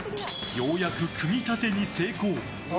ようやく組み立てに成功。